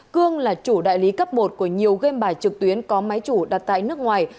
cương là chủ đại lý cấp một của nhiều game bài trực tuyến có máy chủ đặt tại nước ngoài